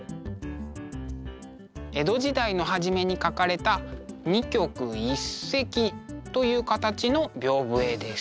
江戸時代の初めに描かれた二曲一隻という形の屏風絵です。